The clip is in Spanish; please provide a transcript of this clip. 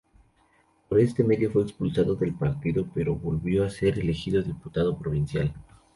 Por este motivo fue expulsado del partido, pero volvió a ser elegido diputado provincial.